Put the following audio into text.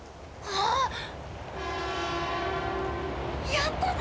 やったぞ！